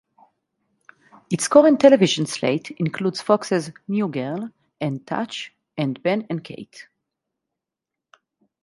Its current television slate includes Fox's "New Girl", and "Touch" and "Ben and Kate".